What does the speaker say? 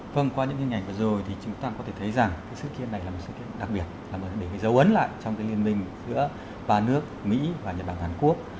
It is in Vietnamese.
vâng qua những hình ảnh vừa rồi thì chúng ta có thể thấy rằng sự kiện này là một sự kiện đặc biệt là một sự kiện giấu ấn lại trong liên minh giữa ba nước mỹ và nhật bản hàn quốc